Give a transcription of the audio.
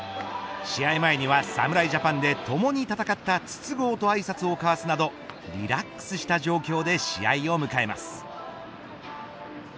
試合前には侍ジャパンで共に戦った筒香とあいさつを交わすなどリラックスした状況で試合を迎えます。